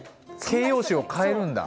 形容詞を変えるんだ。